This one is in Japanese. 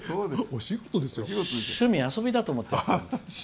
趣味遊びだと思って。